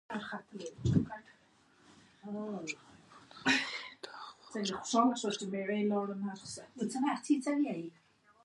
نورو حیواناتو ورته خواړه راوړل.